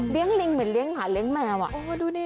เลี้ยงลิงเหมือนเลี้ยงหมาเลี้ยงแมวอ่ะอ๋อดูนี่